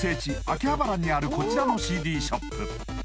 秋葉原にあるこちらのＣＤショップ